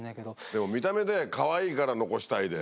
でも見た目でかわいいから残したいで。